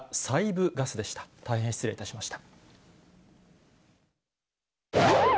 大変失礼いたしました。